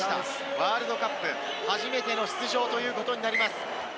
ワールドカップ初めての出場ということになります。